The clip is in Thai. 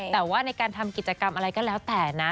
แต่ว่าในการทำกิจกรรมอะไรก็แล้วแต่นะ